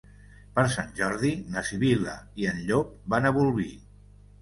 Per Sant Jordi na Sibil·la i en Llop van a Bolvir.